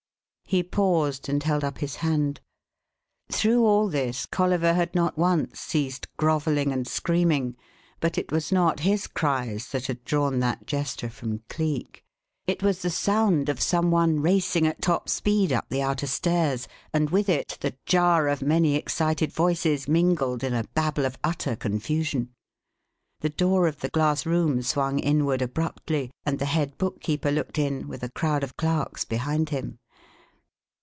He paused and held up his hand. Through all this Colliver had not once ceased grovelling and screaming; but it was not his cries that had drawn that gesture from Cleek. It was the sound of some one racing at top speed up the outer stairs, and with it the jar of many excited voices mingled in a babble of utter confusion. The door of the glass room swung inward abruptly, and the head bookkeeper looked in, with a crowd of clerks behind him.